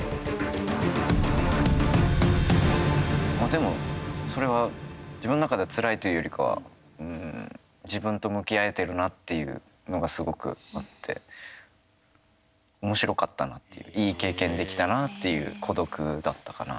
でも、それは自分の中ではつらいというよりかは自分と向き合えてるなっていうのが、すごくあっておもしろかったなっていい経験できたなっていう孤独だったかな。